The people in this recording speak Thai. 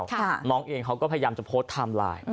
น้องเองเขาก็พยายามจะโพสต์ไทม์ไลน์